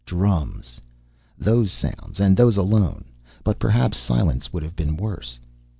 Drums. Those sounds, and those alone. But perhaps silence would have been worse.